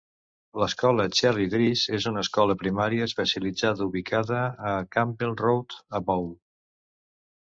L'Escola Cherry Trees és una escola primària especialitzada ubicada a Campbell Road, a Bow.